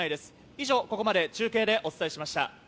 以上、ここまで中継でお伝えしました。